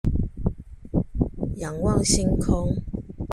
仰望星空